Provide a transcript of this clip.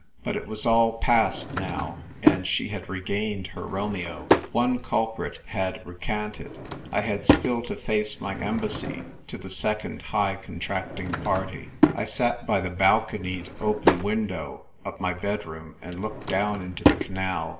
But it was all past now, and she had re gained her Romeo. One culprit had recanted. I had still to face my embassy to the second high contract ing party. I sat by the balconied open window of my bedroom and looked down into the canal.